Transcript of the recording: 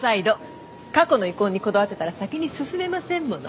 過去の遺恨にこだわってたら先に進めませんもの。